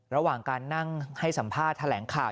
ระหว่างการนั่งให้สัมภาษณ์แถลงข่าว